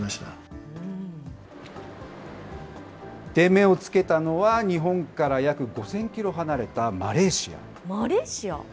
目をつけたのは、日本から約５０００キロ離れたマレーシア。